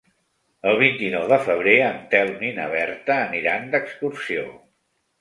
El vint-i-nou de febrer en Telm i na Berta aniran d'excursió.